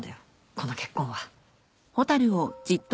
この結婚は。